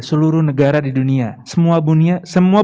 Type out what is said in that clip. seluruh negara di dunia semua